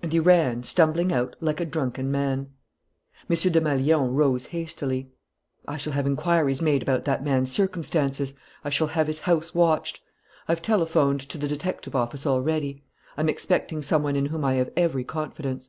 And he ran, stumbling out, like a drunken man. M. Desmalions rose hastily. "I shall have inquiries made about that man's circumstances.... I shall have his house watched. I've telephoned to the detective office already. I'm expecting some one in whom I have every confidence."